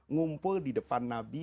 ngumpul di depan nabi